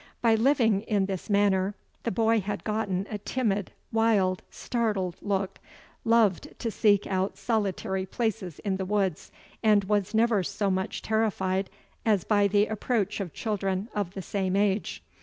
By living in this manner, the boy had gotten a timid, wild, startled look, loved to seek out solitary places in the woods, and was never so much terrified, as by the approach of children of the same age.